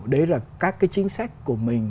đấy là các cái chính sách của mình